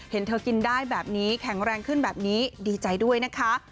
เห็นเธอกินได้แบบนี้แข็งแรงขึ้นแบบนี้ดีใจด้วยนะคะ